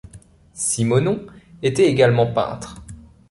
Simonon était également peintre.